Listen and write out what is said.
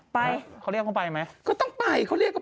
เผื่อเขาเอาไปใช้อะไรอย่างนี่อันนี้จะได้สวยตลอด